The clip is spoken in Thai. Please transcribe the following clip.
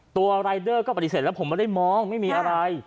รายเดอร์ก็ปฏิเสธแล้วผมไม่ได้มองไม่มีอะไร